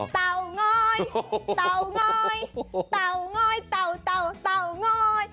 เต่าง้อยเต่าง้อยเต่าเต่าง้อย